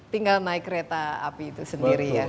tinggal naik kereta api itu sendiri ya